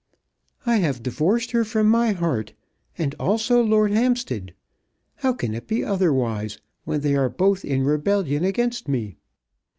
"I have divorced her from my heart; and also Lord Hampstead. How can it be otherwise, when they are both in rebellion against me?